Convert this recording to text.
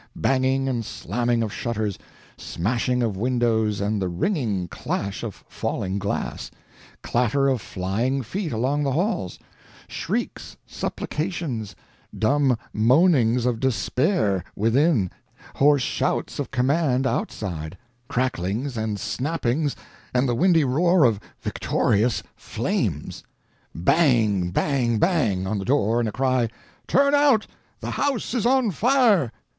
Banging and slamming of shutters; smashing of windows and the ringing clash of falling glass; clatter of flying feet along the halls; shrieks, supplications, dumb moanings of despair, within, hoarse shouts of command outside; cracklings and snappings, and the windy roar of victorious flames! Bang, bang, bang! on the door, and a cry: "Turn out—the house is on fire!"